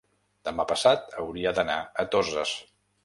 demà passat hauria d'anar a Toses.